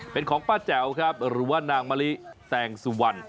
เป็นของป้าแจ๋วครับหรือว่านางมะลิแตงสุวรรณ